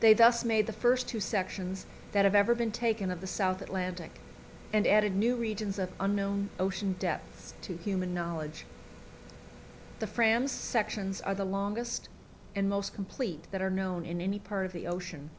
They thus made the first two sections that have ever been taken of the South Atlantic, and added new regions of the unknown ocean depths to human knowledge. The Fram's sections are the longest and most complete that are known in any part of the ocean.